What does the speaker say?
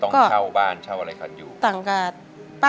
อ๋อก็ยังดี